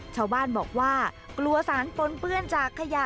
ชาวบ้านบอกว่ากลัวสารปนเปื้อนจากขยะ